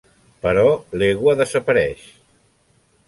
Però l'egua desapareix.